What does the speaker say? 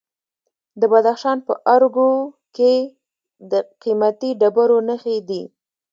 د بدخشان په ارګو کې د قیمتي ډبرو نښې دي.